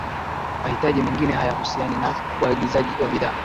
mahitaji mengine hayahusiana na uagizaji wa bidhaa